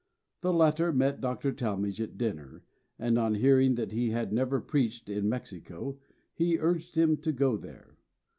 The latter met Dr. Talmage at dinner, and on hearing that he had never preached in Mexico he urged him to go there.